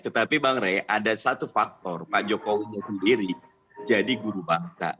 tetapi bang rey ada satu faktor pak jokowi sendiri jadi guru bangsa